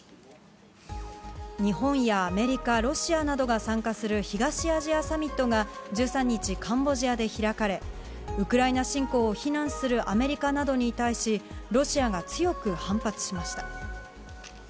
日本やアメリカ、ロシアなどが参加する東アジアサミットが、１３日、カンボジアで開かれ、ウクライナ侵攻を非難するアメリカなどに対し、ロシアが強く反発しました。